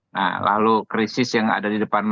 nah lalu krisis yang terjadi di beberapa negara